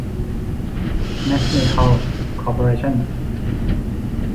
แมกซ์ เมทัล คอร์ปอเรชั่น